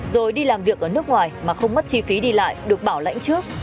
rồi đi làm việc ở nước ngoài mà không mất chi phí đi lại được bảo lãnh trước